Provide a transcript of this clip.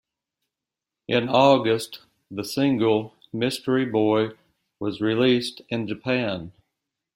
In August the single "Mystery Boy" was released in Japan.